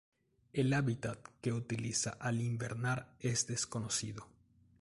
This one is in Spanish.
El hábitat que utiliza al invernar es desconocido.